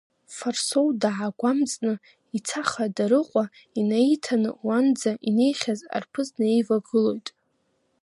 Фарсоу даагәамҵны, ицаха Дарыҟәа инаиҭаны уанӡа инеихьаз арԥыс днаивагылоит.